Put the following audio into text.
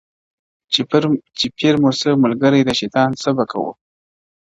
چي پیر مو سو ملګری د شیطان څه به کوو؟؛